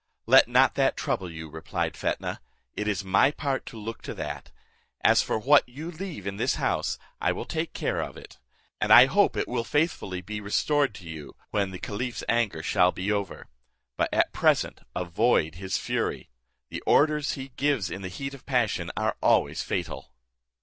"Let not that trouble you," replied Fetnah, "it is my part to look to that. As for what you leave in this house, I will take care of it, and I hope it will be one day faithfully restored to you, when the caliph's anger shall be over; but at present avoid his fury. The orders he gives in the heat of passion are always fatal."